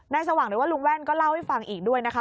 สว่างหรือว่าลุงแว่นก็เล่าให้ฟังอีกด้วยนะคะ